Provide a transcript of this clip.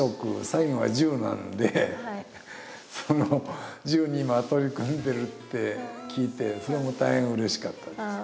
最後は「住」なんでその「住」に今取り組んでるって聞いてそれも大変うれしかったです。